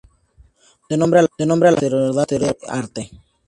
Da nombre a la familia asteroidal de Herta.